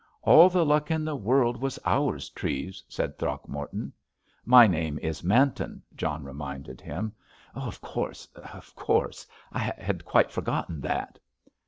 "All the luck in the world was ours, Treves," said Throgmorton. "My name is Manton," John reminded him. "Of course, of course—I had quite forgotten that."